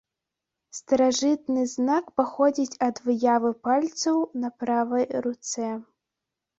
Старажытны знак паходзіць ад выявы пальцаў на правай руцэ.